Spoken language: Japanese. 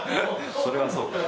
それはそうか。